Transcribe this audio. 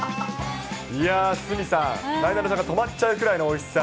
いやー、鷲見さん、なえなのちゃんが止まっちゃうくらいのおいしさ。